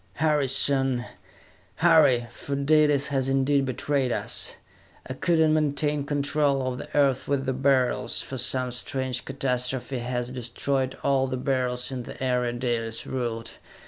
"Hurry, son! Hurry! For Dalis has indeed betrayed us! I could not maintain control of the Earth with the Beryls, for some strange catastrophe has destroyed all the Beryls in the area Dalis ruled!